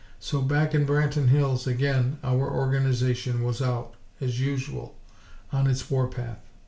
So, back in Branton Hills, again, our Organization was out, as usual, on its war path.